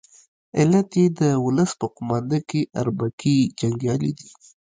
علت یې د ولس په قومانده کې اربکي جنګیالي دي.